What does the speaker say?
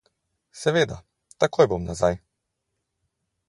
Seveda, takoj bom nazaj.